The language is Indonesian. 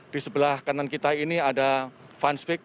di sebelah kanan kita ini ada fanspeak